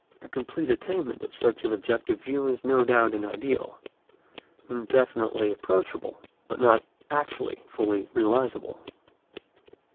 The complete attainment of such an objective view is no doubt an ideal, indefinitely approachable, but not actually and fully realisable.